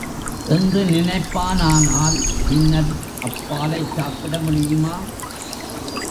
என்று நினைப்பானானால் பின்னர் அப்பாலைச் சாப்பிட முடியுமா?